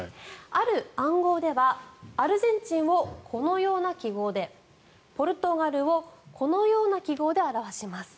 ある暗号ではアルゼンチンをこのような記号でポルトガルをこのような記号で表します。